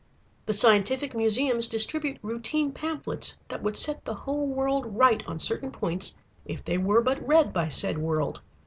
The scientific museums distribute routine pamphlets that would set the whole world right on certain points if they were but read by said world.